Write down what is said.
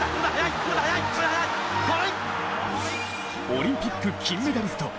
オリンピック金メダリスト